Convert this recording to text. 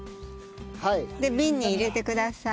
瓶に入れてください。